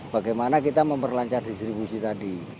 bagaimana kita memperlancar distribusi tadi